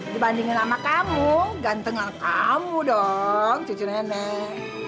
dibandingin sama kamu ganteng yang kamu dong cucu nenek